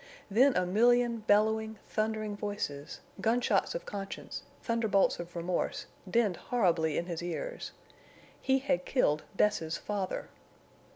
Then a million bellowing, thundering voices—gunshots of conscience, thunderbolts of remorse—dinned horribly in his ears. He had killed Bess's father.